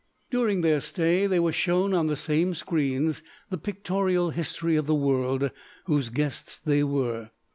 During their stay they were shown on these same screens the pictorial history of the world whose guests they were.